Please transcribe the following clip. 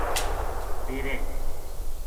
ڈیرے